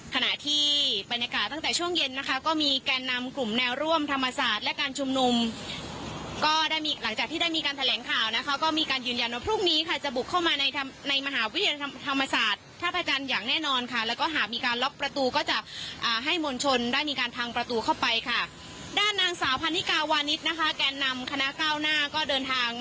ขณะที่บรรยากาศตั้งแต่ช่วงเย็นนะคะก็มีแกนนำกลุ่มแนวร่วมธรรมศาสตร์และการชุมนุมก็ได้มีหลังจากที่ได้มีการแถลงข่าวนะคะก็มีการยืนยันว่าพรุ่งนี้ค่ะจะบุกเข้ามาในมหาวิทยาลัยธรรมศาสตร์ท่าพระจันทร์อย่างแน่นอนค่ะแล้วก็หากมีการล็อคประตูก็จะให้มวลชนได้มีการทางประตูเข้